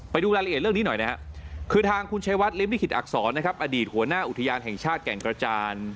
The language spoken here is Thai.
ไปดูรายละเอียดเรื่องนี้หน่อยนะครับคือทางคุณชัยวัดริมลิขิตอักษรนะครับอดีตหัวหน้าอุทยานแห่งชาติแก่งกระจาน